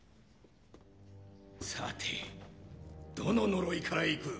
さてどの呪いからいく？